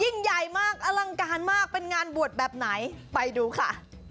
ใหญ่มากอลังการมากเป็นงานบวชแบบไหนไปดูค่ะ